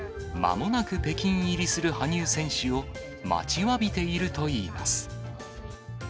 まもなく北京入りする羽生選手を待ちわびているといいます。